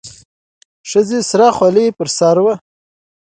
ښځې سره خولۍ په سر وه.